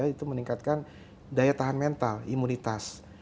itu meningkatkan daya tahan mental imunitas